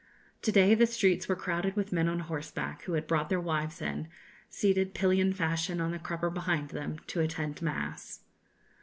To day the streets were crowded with men on horseback, who had brought their wives in, seated pillion fashion on the crupper behind them, to attend mass.